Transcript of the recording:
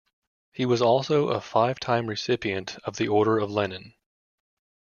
He was also a five-time recipient of the Order of Lenin.